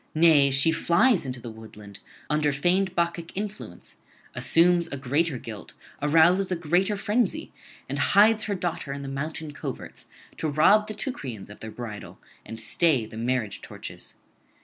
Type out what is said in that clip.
Nay, she flies into the woodland under feigned Bacchic influence, assumes a greater guilt, arouses a greater frenzy, and hides her daughter in the mountain coverts to rob the Teucrians of their bridal and stay the marriage torches.